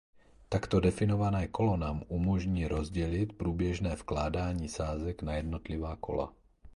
Takto definované kolo nám umožní rozdělit průběžné vkládání sázek na jednotlivá kola.